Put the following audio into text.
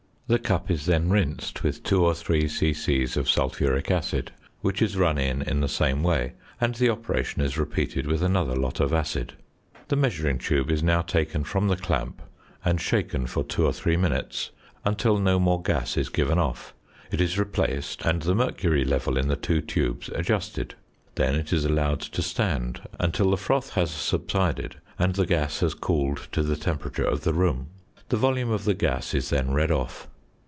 The cup is then rinsed with 2 or 3 c.c. of sulphuric acid, which is run in in the same way, and the operation is repeated with another lot of acid. The measuring tube is now taken from the clamp, and shaken for two or three minutes, until no more gas is given off. It is replaced, and the mercury level in the two tubes adjusted. Then it is allowed to stand until the froth has subsided, and the gas has cooled to the temperature of the room. The volume of the gas is then read off.